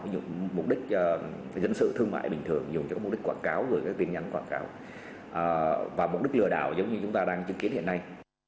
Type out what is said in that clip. ví dụ mục đích dân sự thương mại bình thường dùng cho mục đích quảng cáo gửi các tin nhắn quảng cáo và mục đích lừa đảo giống như chúng ta đang chứng kiến hiện nay